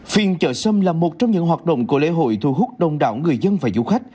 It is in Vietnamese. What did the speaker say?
phiên chợ sâm là một trong những hoạt động của lễ hội thu hút đông đảo người dân và du khách